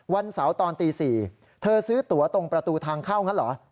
วันเสาร์ตอนตี๔เธอซื้อตัวตรงประตูทางเข้างั้นเหรอ